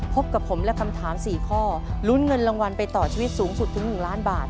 พบกับผมและคำถาม๔ข้อลุ้นเงินรางวัลไปต่อชีวิตสูงสุดถึง๑ล้านบาท